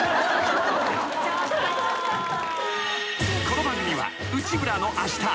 ［この番組は内村のあした］